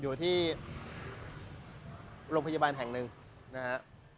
อยู่ที่โรงพยาบาลแห่งหนึ่งนะฮะ